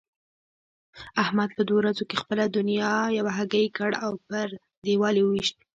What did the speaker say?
احمد په دوو ورځو کې خپله دونيا یوه هګۍکړ او پر دېوال يې وويشت.